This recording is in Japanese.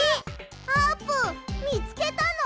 あーぷんみつけたの？